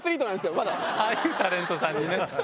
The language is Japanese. ああいうタレントさんにね。